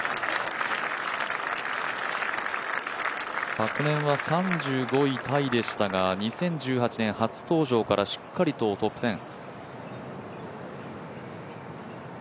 昨年は３５位タイでしたが２０１８年初登場からしっかりとトップ１０。